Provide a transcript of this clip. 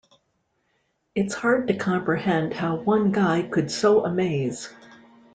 It's hard to comprehend how one guy could so amaze.